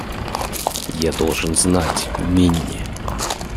Я должен знать, Минни!